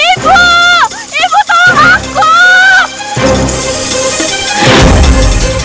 ibu ibu tolong aku